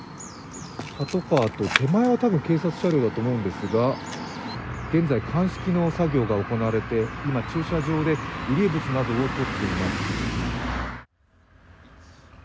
パトカーと、手前は多分警察車両だと思いますが現在、鑑識の作業が行われて今、駐車場で遺留物などをとっています。